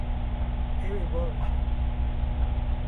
Ew ê biavêje.